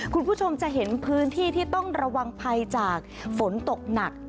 คุณผู้ชมจะเห็นพื้นที่ที่ต้องระวังภัยจากฝนตกหนัก